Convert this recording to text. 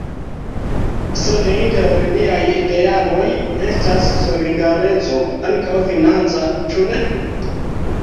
Sed inter niaj idealoj estas solidareco, ankaŭ financa, ĉu ne?